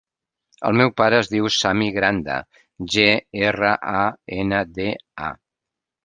El meu pare es diu Sami Granda: ge, erra, a, ena, de, a.